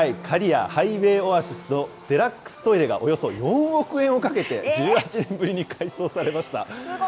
刈谷ハイウェイオアシスのデラックストイレが、およそ４億円をかけて１８年ぶりに改装されました。